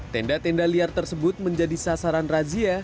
tenda tenda liar tersebut menjadi sasaran razia